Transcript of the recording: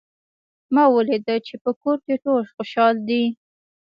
ما ولیدل چې په کور کې ټول خوشحال دي